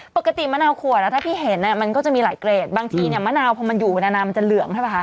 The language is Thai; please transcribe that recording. ปกติมะนาวขวดแล้วถ้าพี่เห็นมันก็จะมีหลายเกรดบางทีเนี่ยมะนาวพอมันอยู่ไปนานมันจะเหลืองใช่ป่ะคะ